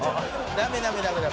ダメダメダメダメ！